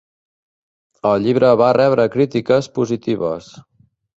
El llibre va rebre crítiques positives.